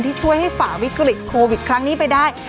ช่วยให้ฝ่าวิกฤตโควิดครั้งนี้ไปได้